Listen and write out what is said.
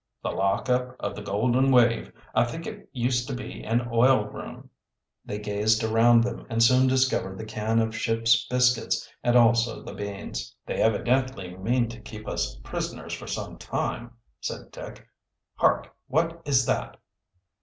"The lock up of the Golden Wave. I think it used to be an oil room." They gazed around them, and soon discovered the can of ship's biscuits and also the beans. "They evidently meant to keep us prisoners for some time," said Dick. "Hark, what is that?"